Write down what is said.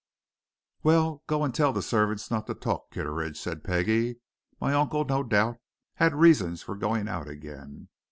"Well, go and tell the servants not to talk, Kitteridge," said Peggie. "My uncle, no doubt, had reasons for going out again.